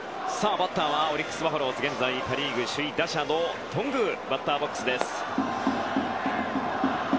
バッターはオリックス・バファローズ現在、パ・リーグ首位打者の頓宮がバッターボックス。